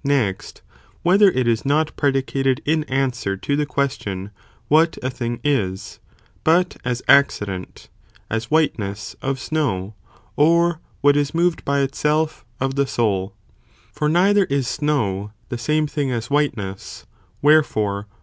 * Next, whether it is not pre * So Waitzand | dicated in answer to the question, what a thing ith ecise is; but as accident, as whiteness, of snow, or contained un what is moved by itself, of the soul; for neither Toure is snow, the same thing as whiteness, wherefore Buhle.